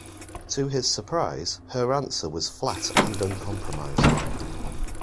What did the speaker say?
To his surprise, her answer was flat and uncompromising.